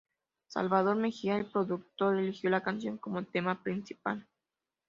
Salvador Mejía, el productor, eligió la canción como tema principal.